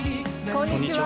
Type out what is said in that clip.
こんにちは。